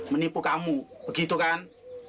menipu kamu begitu kan